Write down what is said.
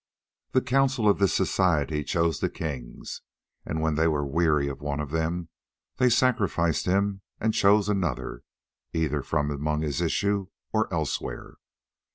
The council of this society chose the kings, and when they were weary of one of them, they sacrificed him and chose another, either from among his issue or elsewhere.